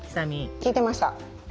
聞いてました。